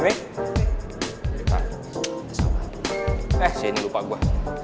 eh saya ini lupa gue